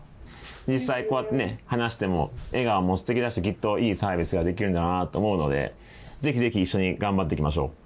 実際こうやってね話しても笑顔も素敵だしきっといいサービスができるんだろうなと思うのでぜひぜひ一緒に頑張っていきましょう。